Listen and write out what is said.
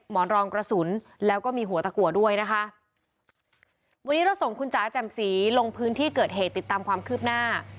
รองกระสุนแล้วก็มีหัวตะกัวด้วยนะคะวันนี้เราส่งคุณจ๋าแจ่มสีลงพื้นที่เกิดเหตุติดตามความคืบหน้า